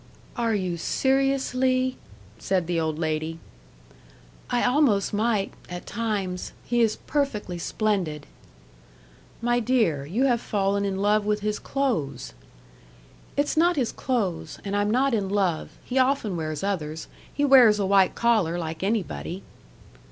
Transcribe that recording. "Are you seriously " said the old lady. "I almost might at times. He is perfectly splendid." "My dear, you have fallen in love with his clothes." "It's not his clothes. And I'm not in love. He often wears others. He wears a white collar like anybody."